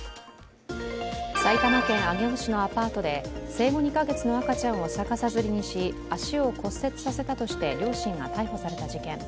埼玉県上尾市のアパートで生後２か月の赤ちゃんを逆さづりにし足を骨折させたとして両親が逮捕された事件。